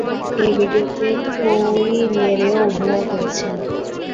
এই ভিডিওতে কোই লেরেও অভিনয় করেছেন।